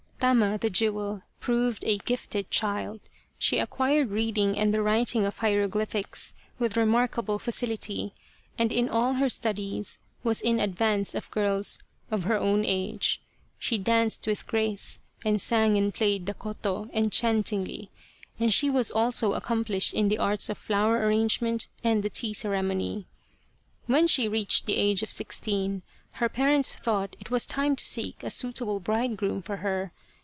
Tama, the Jewel, proved a gifted child. She ac quired reading and the writing of hieroglyphics with remarkable facility, and in all her studies was in ad vance of girls of her own age. She danced with grace, and sang and played the koto enchantingly, and she was also accomplished in the arts of flower arrange ment and the tea ceremony. When she reached the age of sixteen her parents thought it was time to seek a suitable bridegroom for her.